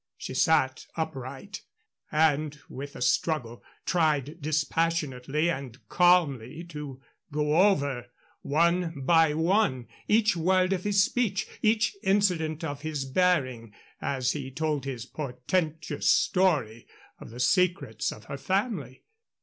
She sat upright, and with a struggle tried dispassionately and calmly to go over, one by one, each word of his speech, each incident of his bearing, as he told his portentous story of the secrets of her family.